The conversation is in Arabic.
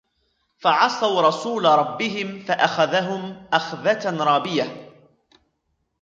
فعصوا رسول ربهم فأخذهم أخذة رابية